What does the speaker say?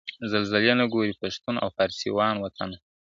زلزلې نه ګوري پښتون او فارسي وان وطنه `